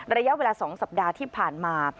ระยะเวลา๒สัปดาห์ที่ผ่านมา